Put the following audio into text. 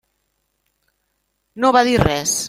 No va dir res.